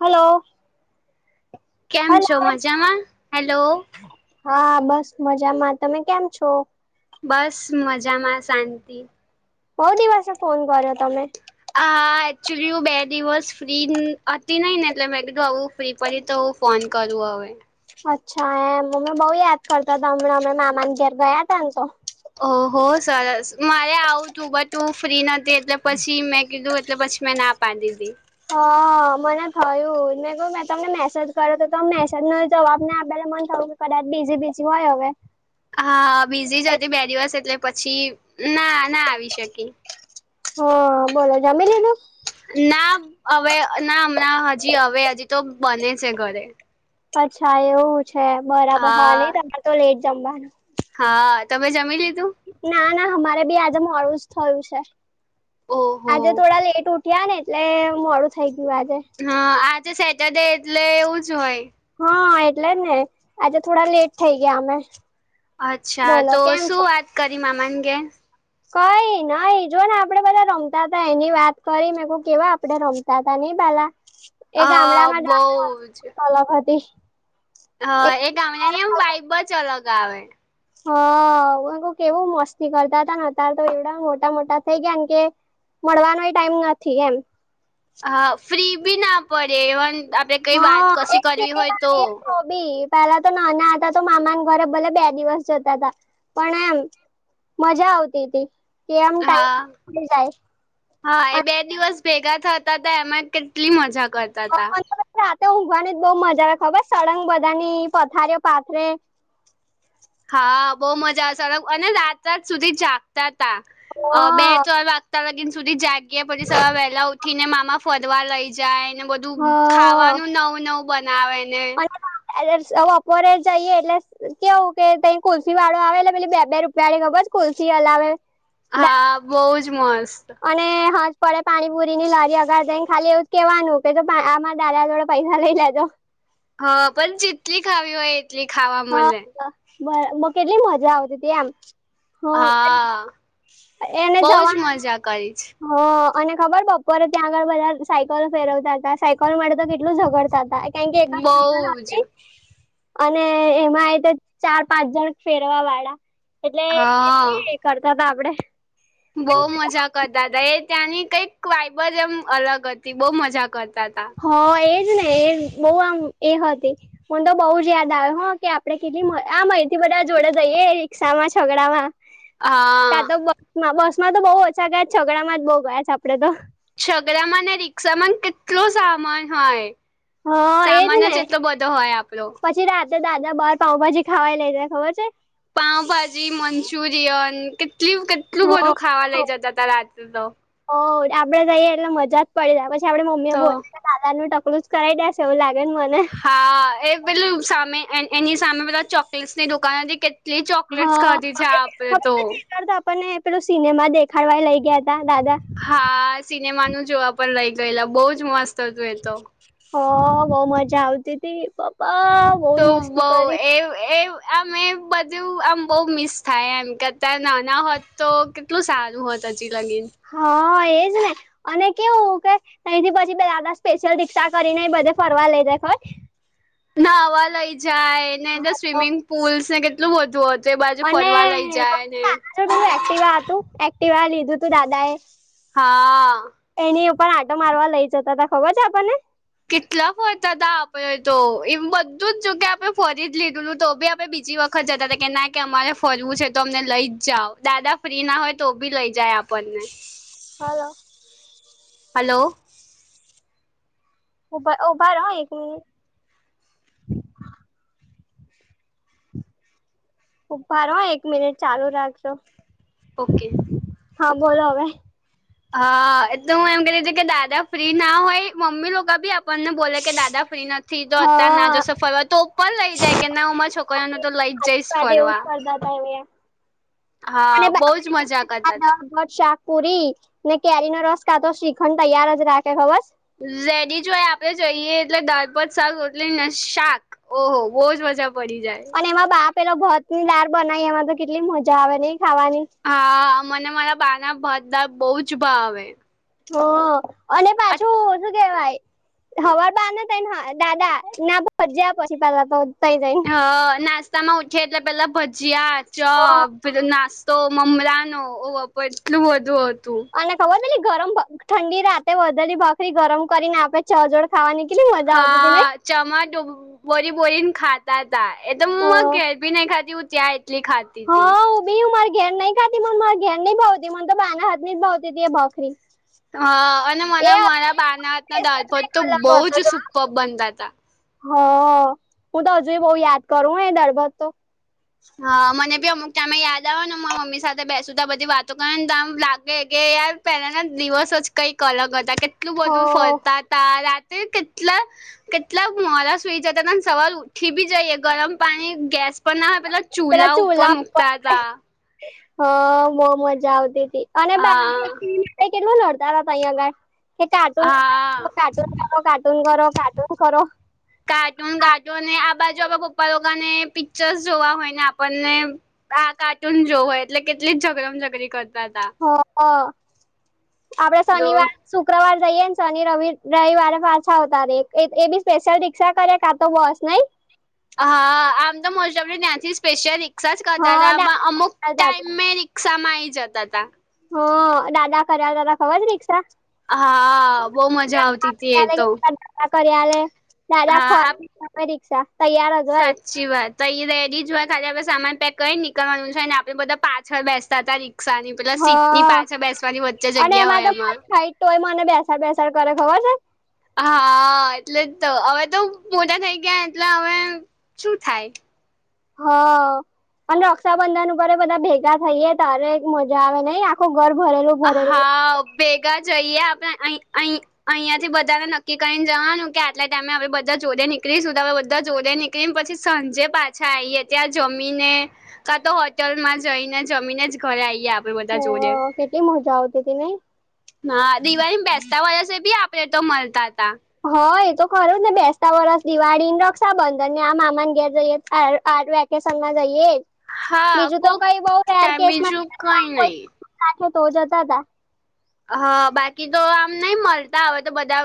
Hello. કેમ છો મજામાં હલો? હા બસ મજામાં. તમે કેમ છો? બસ મજામાં, શાંતિ. બો દિવસે ફોન કરયો તમે. હા એકચુલી હું બે દિવસ ફ્રી હતી નહી ને એટલે મેં કીધું આવું ફ્રી પડી તો ફોન કરું હવે. અચ્છા એમ અમે બો યાદ કરતા હતા હમણાં અમે મામા ના ઘર ગયા હતા ને તો. ઓહો સરસ મારે આવું તું બટ હું ફ્રી નતી એટલે પછી મેં કીધું એટલે પછી મે ના પ પાન દીદી હા. અમને થયું મેં કું મે તમને મેસેજ કર્યો તો તમે મેસેજ નો જવાબ ના આપયો એટલે મને થયુ કદાચ બીઝી બીજી હોય હવે. હા બીઝી જ હતી બે દિવસ એટલે પછી ના ના આવી શકી. હા બોલો જમી લીધૂ? ના હવે ના હમણાં હજી હવે હજી તો બને છે ઘરે. અચ્છા એવું છે બરાબર હા નઈ તમારે તો લેટ જમવાના. હા તમે જમી લીધું. ના ના હમારે બી આજે મોડું જ થયું છે ઓહો આજે થોડા લેટ ઉઠ ઉઠયા ને એટલે મોડું થઈ ગયું આજે. હા આજે સેટરડે એટલે એવું જ હોય. હા એટલે જ ને આજે થોડા લેટ થઈ ગયા અમે. અચ્છા બોલો તો કેમ શું છો વાત કરી મામા ના ઘેર? કઈ નઈ જો ને આપડે બધા રમતા હતા એની વાત કરી ને મે કુ કેવા આપડે રમતા તા ની પેલા એ અ ગામડા માં જ બઉ [unintelligible] અલગ હતી. હા એ ગામડાની એમ વાઈબ જ અલગ આવે. હા મેં કેવું મસ્તી કરતા હતા ને અતાર તો એવડા મોટા મોટા થઈ ગયાને કે મળવાનો એ ટાઈમ નથી એમ. હા ફ્રી બી ના પડે એવન આપણેે કઈ વાત કશી કરવી હોય તો. ભી પેલા તો નાના હતા તો મામા ના ઘરે ભલે બે દિવસ જતા હતા પણ એમ મજા આવતી તી કે આમ ટાઈમ હા પાસ થઈ જાય. હા એ બે દિવસ ભેગા થતા હતા એમાં કેટલી મજા કરતા તા. અને બપોરને રાતે ઊંઘવાની જ બો મજા આવે ખબર સળંગ બધાની પથારીઓ પાથરે. હા બો મજા આવશે અને રાત રાત સુધી જાગતા તા બે હા ત્રણ વા ચાર દિન સુધી જાગીએ પછી સવાર વહેલા ઉઠીને મામા ફરવાર લઈ જાય ને બધ દુ હા ખાવાનું નવું નવું બનાવે ને [unintelligible] બપોરે જઈએ એટલે કેવું કે ત કુલ્સી વાળો આવે એટલે પે બે બે રૂપિયાળી ખબર છે. કુલ્સી અલાવે. હા બહુ જ મસ્ત. અને હજ પડે પાણી પુરી ની લારી આગળ જઈને ખાલી એવું જ કેવાનું કે આમાર દાદા જોડે પૈસા લઈ લેજો હા પણ જેટલી ખાવી હોય એટલી ખાવા મળે. પણ કેટલી મજા આવતી હતી એમ. હ હા એને બહું જ જવાનું મજા કરી છે. હ અને ખબર બપોરે ત્યાં આગળ બધા સાયકલો ફેરવતા હતા સાયકલ માટે તો કેટલું ઝગડતા હતા. કારણ કે એક બહુ [unintelligible] જ અને એમાં એ તો ચાર પાંચ જણ ફેરવવાવાળા. એટલે હા [unintelligible] કરતા હતા આપડે બહુ મજા કરતા હતા એ ત્યાંની કઈક વાઇબ જ એમ અલગ હતી બહું મજા કરતા હતા. હ એજ ને એ બહું આમ એ હતી. હું તો બઉ જ યાદ આવે હ કે આપડે કેટલી આમ અહીંથી બધા જોડે જઈએ રિક્ષામાં છકડામાં હા કા તો બસમાં બસ માં તો બહુ ઓછા ગયા છકડામાં જ બહુ ગયા છે આપડે તો છગડામાં ને રિક્ષામાં કેટલો સામાન હોય. હ સામાન જ એટલો બધો હોય આપડો. જે રાતે દાદા બાર પાઉભાજી ખાવા એ લય જાય ખબર છે. પાઉંભાજી, મંચુરિયન કેટલી કેટલું બધું ખાવા લઇ જતા હતા રાત્રે તો ઓ આપડે જઈએ એટલે જ પડી જાય પછી આપડી મમ્મી તો બોલે ને દાદા નું ટકલું જ કરાઈ દેશ એવું લાગે છે મને. હા એ પેલું સામે એન એની સામે બધા ચોકલેટ્સની દુકાન હતી કે જે ચોકલેટસ ખાવાથી જે આપણે તો પન એ પેલુ સિનેમા દેખાડવા એ લઈ ગયા તા દાદા હા સિનેમા નું જોવા પણ લઈ ગયેલા બહુ જ મસ્ત હતું એ તો હ બઉ મજા આવતી હતી બાપા તો બહું એઉ એઉ એમ એ બધું આમ બહુ મિસ થાય એમ કે અત્યારે નાના હોત તો કેટલું સારું હુવે ત્યાં લગી હા એજ ને અને કેવું કે તઈથી પછી પેલા સ્પેશિયલ રિક્ષા કરીને બધે ફરવા લઈ જાય ખબર નાવા લઈ જાય ને ખબર સ્વિમિંગ પુલ્સ ને કેટલું બધું હતું તે બાજુ અને ફરવા લઈ જાય ને [unintelligible] એક્ટિવા હતું, એક્ટિવા લીધું તું દાદા એ હા. એની ઉપર આંટો મારવા લઇ જતા હતા ખબર છે આપણને. કેટલા ફરતા હતા આપણે તો, એમ બધું જ જો કે આપે ફરી જ લીધેલું તો બી આપડે બીજી વખ ખજા જતા હતા કે ના કે અમારે ફરવું છે તો અમને લઈ જ જા દાદા ફ્રી ના હોય તો બી લઈ જાય આપણને હલો. હલો. ઉભા ઉભા રહો એક મિનીટ ઉભા રહો હો એક મિનિટ ચાલુ રાખજો. ઓકે. હા બોલો હવે. હા. એટલે હું એમ કહેતી તી, કે દાદા ફ્રી ના હોય, મમ્મી લોકો ભી આપ પણને બોલે કે દાદા ફ્રી નથી, તો અત્યાર ના હા જશો ફરવા. તો પણ લઈ જાય ફરવા, કે ના હો માર છોક કરીઓને તો લઇ જ જઈશ ફરવા. દાદાએ એવું એમ હા. બહું જ મજા કરતા તા. પુરી ને કેરી નો રસ કાં તો શ્રીખંડ તૈયાર જ રાખે ખબરશ? રેડી જ હોય. આપણે જઈએ એટલે દાળ-ભાત, શાક, રોટલી ને શાક. ઓહો! બહુ જ મજા પડી જાય. અને એમાં બા પહેલો ભતની દાળ બનાઈ, એમાં તો કેટલી મજા આવે નહીં ખાવાની. હા. મને મારા બા ના ભાત-દાળ બહુ જ ભાવે. હો. અને હ પાછું [unintelligible] કહેવાય, હવાર બાને [unintelligible] દાદા [unintelligible] હા. નાસ્તામાં ઉઠે, એટલે પહેલા ભજીયા, હ ચા પહેલો નાસ્તો મમરાનો. ઓહ બાપા! એટલું બધું હતું. તને ખબર પહેલી ગરમ, ઠંડી રાતે વધેલી ભાખરી ગરમ કરીને આપે ચા જોડે ખાવાની. કેટલી મજા આવતી તી નહીં? ચામાં [unintelligible] બોળી-બોળીન ખાતા તાં. એતો અ મે ઘેર ભી નહી ખાતી, હું ત્યાં એટલી ખાત હા. હું બી હું મારી ઘેર નહીં ખાતી, પણ મારે ઘેર નહીં ભાવતી. મન તો બાના હાથની જ ભાવતી તી એ ભાખરી. હા. અને મને એ મારા બાના હાથના ટેસ્ટ જ દાળ-ભાત તો કંઈક બહુ જ સુપર્બ બનતા તા. હા. હું તો હજુંય બહુ યાદ કરું હો એ દાળ-ભાત તો. હા. મને બી અમુક ટાઈમે યાદ આવે ને, મારા મમ્મી સાથે બેસું, તો આ બધી વાતો કરુંને તો આમ લાગે, કે યાર પહેલાના દિવસો જ કંઈક અલગ હતા. કેટલું હ બધું ફરતા તા. રાતેઈ કેટલા કેટલાક મોડાં સુઈ જતાં તાં, ને સવાર ઉઠી બી જઈએ. ગરમ પાણી ગેસ પર ના હોય, પહેલો ચૂલા ઉપર મુકતા હતા. હા, બહુ મજા આવતી તી. અને હા [inaudible] તઈ કેટલું લડતા તા [unintelligible] આગળ, કે કાર્ટૂન, હા કાર્ટૂન કરો, કાર્ટૂન કરો, કાર્ટૂન કરો. હા કાર્ટૂન-કાર્ટૂન, ને આ બાજુ આ પપ્પા લોકોને પિક્ચરસ જોવા હોય ને આપણને હા કાર્ટૂન જોવા હોય. એટલે કેટલી ઝઘડમ-ઝઘડી કર હા. આપણે તો શનિવાર શુક્રવાર જઈએન શનિ-રવિ, રઈવારે પાછા આવતા રહી. એ-એ બી સ્પેશિયલ રિક્ષા કરે કાં તો બસ. નહીં? હા. આમ તો મોસ્ટઓફલી ન્યાંથી સ્પેશિયલ રિક્ષા જ કરતા હા તા, પણ અમુક દાદા દાદા ટાઈમે રિક ક્ષામાં આઈ જતા તા. હા. દાદા કરાવતા તા ખબર છે રિક્ષા? હા. બહુ મજા આવતી તી એ તો. આ કરી આલે, હા દાદા [inaudible] રિક્ષા [unintelligible] હાચી વાત. તો ઈ રેડી જ હોય, ખાલી આપણે સામાન પેક કરીન નીકળવાનું છે, ને આપણે બધા પાછળ બેસતા તાં રિક્ષાની. પહેલા સીટની હા પાછા બેસવાની વચ્ચે અને જગ્યા હોય તો એમાં. મારી હાઈટ તોય મને બેસાડ-બેસાડ કરે. ખબર છે? હા. એટલે જ તો. હવે તો મોટા થઈ ગયા, એટલે હવે શું થાય? [inaudible] અન રક્ષાબંધન ઉપરે બધા ભેગા થઈએે ત્યારે એક મજા આવે નઈ આખું ઘર ભરેલું. અ ભરેલું હા ભેગા જઈએ આપણે અહી અહી. અહિયાંથી બધાને નક્કી કરીને જવાનું કે એટલા ટાઈમે આપડે બધા જોડે નીકળીશું તો હવે બધા જોડે નીક કળીને પછી સાંજે આઈએ ત્યાં જમીને. કા તો હોટેલમાં જઈને જમીને જ ઘરે આઈએ આપડે બધા જોડે. હ કેટલી મજા આવતી તી નઈ. હા દિવાળી મ બેસતા વરસે બી આપડે તો મલતા હતા. હ એ તો ખરૂ જ ને બેસતા વરસ, દિવાળીને, રક્ષાબંધન ને આ મામાને ઘેર જઈએ [unintelligible] વેકેશનમાં જઈએ એ હા બીજું તો કોક કઈ બઉ રેઅર ટાઈમ કેસમા [unintelligible] બીજું કઈ નહી [unintelligible] તો જતા હતા. હા બાકી તો આમ નહી મલતા હવે તો બધા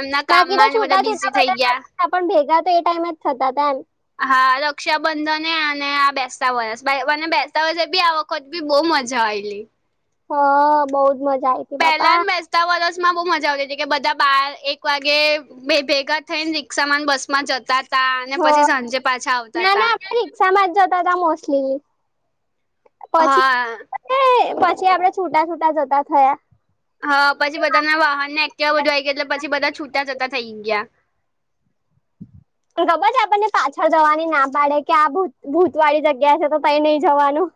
એમના કામમાં ને બધા બિઝી થઈ ગયા. હા પણ ભેગા તો એ ટાઈમ જ થતા તા ન. હા રક્ષાબંધન અને આ બેસતા વરસ, બન્ને બેસતા વરસે બી આ [unintelligible] [unintelligible] બહુ મજા આયેલી. હ બહુ જ મજા આઇ. પેલા ન બેસતા વર્ષમાં બહુ મજા આવતી હતી કે બધા બાર એક વાગે ભેગા થઈને રિક્ષામાં ન બસમાં જતા તા અને પછી સાંજે પાછા આવતા તા. રીક્ષામાં જ જતા હતા મોસ્ટલી પછી હા. એ પછી આપડે છૂટા છૂટા જતા થયા. હા પછી બધા ના વાહન ને એક્ટિવા બધું આઇ ગયુ એટલે પછી બધા છૂટા જતા થઈ ગ્યા. તન ખબર છે આપણને પાછળ જવાની ના પાડે કે આ ભૂત ભૂત વાળી જગ્યા છે તો તઈ નહી જવાનું.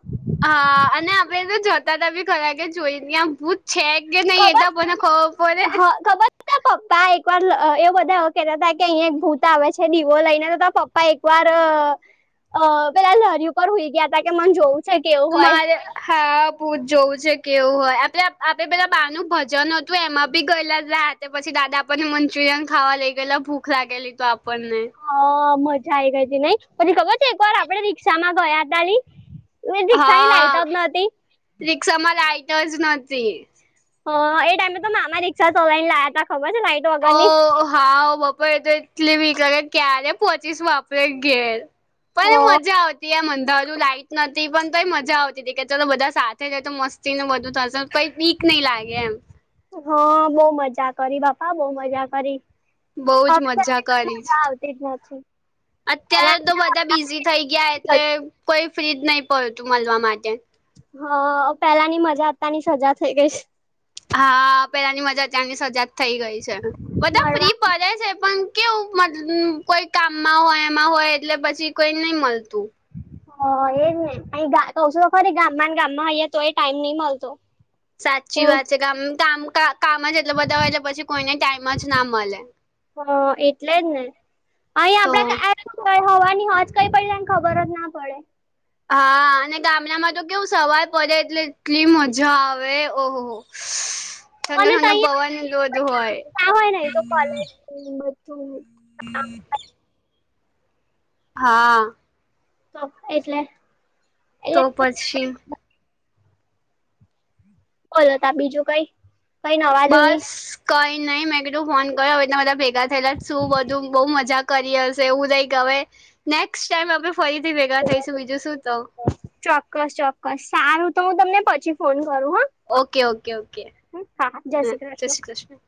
હા અને આપડે તો જોતા ત બી ખરા કે જોઈ ત્યાં ભુત છે કે નહી ખબર એ તો કોઈને ખબર પડે. હા ખબર પપ્પા એક વાર એવ બધા કેતા હતા કે અહીંયા એક ભૂત આવે છે દીવો લઈને તો પપ પપ્પા એકવાર પેલા લારી ઉપર સુઈ ગ્યા તા કે મન જોવુ મારે હા ભૂત જોવું છે કેવું હોય આપે આપડે પેલા બા નું ભજન હતું એમાં બી ગયેલા રાત તે પછી દાદા આપણને મંચુરિયન ખાવા લઈ ગયેલા ભૂખ લાગેલી તો આપણને. હા મજા આઈ ગઈ હતી નઈ પછી ખબર છે એક વાર આપડ રિક્ષામાં ગયા તા લી. રિક્ષા ની લાઈટ હા જ નતી રિક્ષામાં લાાઈટ જ નતી. હ એ ટાઈમે તો મામા રિક્ષા ચલાઇ ને લાયા તા ખબર છે લાઈટ વગરની ઓ હાવ બપ તો એતો એટલી બીક લગે ક્યારે પહોચીશું આપરે ઘેર હ પણ એ મજા આવત [unintelligible] લાઈટ નથી પણ તો એ મજા આવતી હતી કે ચલો બધા સાથે છે તો મસ્ત તેનું બધું થશે [unintelligible] બીક નહી લાગે એમ. હ, બહુ મજા કરી બાપા બઉ મજા કરી. બઉુ જ મજા કરી છ. એક વાત છે. અત્યારે તો બધા બિઝી થઈ ગયા એટલે કોઈ ફ્રી જ નહી પડતું મળવા માટે. હ પેલાની મજા અત્યારની સજા થઈ ગઈ છે. હા પેલાની મજા અત્યારની સજા થઈ ગઈ છે બધા મળવા ફ્રી પડે છે પણ કેવું મત, કોઈ કામમાં હોય એમાં હોય એટલે પછી કોઈ નઈ મલતું. હ એજ ને અહી કહુ છુ તો ખરી ગામમાં ગામમાં હોઈએ તો યે ટાઈમ નઈ મલતો. સાચી વાત છે કે કામ કામ જ એટલે બધા હોય એટલે પછી કોઈને ટાઈમ જ ના મળે. હ, એટલે જ ને અહીં તો આપડા હવાની હજ કઈ પડી જયને ખબર જ ના પડે. હા. અને ગામડામાં તો કેવું સવાર પડે એટલે એટલી મજા આવે ઓહોહો ઠંડો ઠંડો પવન ને બધું હોય. ક હોય નહી તો કોલેજ બધું. હમ. હા. તો એટલે તો એટલે પછી. બોલ હતા બીજું કઈ. કઈ નવા જૂની બસ કઈ નહી, મેં કધું ફોન કર્યો હવેના બધા ભેગા થયેલા શું બધું બહુ મજા કરી હશે, એવું રઈ ગવે નેક્સ્ટ ટાઈમ આપડે ફરીથી ભેગા થઈશું બીજું શું તો. ચોાક ચક કસ સારું તો હું તમને પછી ફોન કરું હા. ઓ કે ઓ કે ઓ કે હા, જય શ્રી કૃષ્ણ.